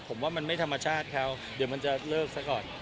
ผมว่ามันไม่ธรรมชาติเขาเดี๋ยวมันจะเลิกซะก่อน